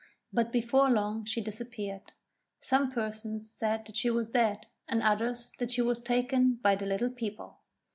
But before long she disappeared. Some persons said that she was dead and others that she was taken by the Little People.